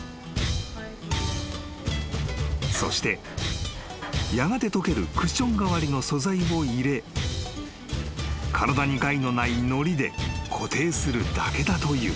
［そしてやがて溶けるクッション代わりの素材を入れ体に害のないのりで固定するだけだという］